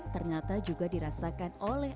ternyata juga dirasakan oleh